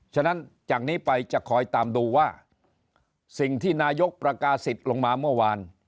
ฉะนั้นจากนี้ไปจะคอยตามดูว่าสิ่งที่นายกประกาศิษย์ลงมาเมื่อวาน